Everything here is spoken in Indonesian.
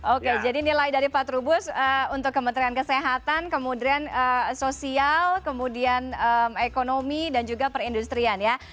oke jadi nilai dari pak trubus untuk kementerian kesehatan kemudian sosial kemudian ekonomi dan juga perindustrian ya